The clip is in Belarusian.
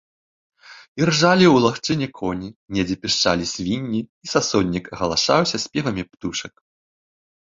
Іржалі ў лагчыне коні, недзе пішчалі свінні, і сасоннік агалашаўся спевамі птушак.